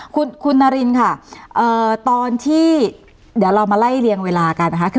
คุณนารินค่ะตอนที่เดี๋ยวเรามาไล่เรียงเวลากันนะคะ